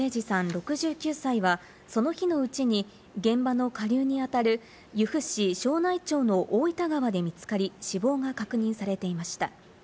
６９歳はその日のうちに、現場の下流にあたる由布市庄内町の大分川で見つかり、死亡が確認されていました。